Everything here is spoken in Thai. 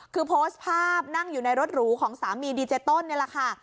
คือโพสต์ภาพนั่งอยู่ในรถหรูของสามีดีเจต้นนี่แหละค่ะ